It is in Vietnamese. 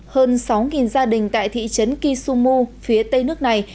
hơn sáu gia đình tại thị trấn kisumu phía tây nước này